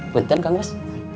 benten kang bos